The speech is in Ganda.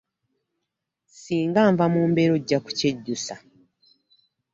Ssinga nva mu mbeera ojja kukyejjusa.